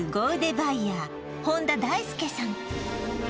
バイヤー本田大助さん